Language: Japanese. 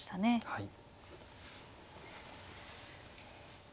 はい。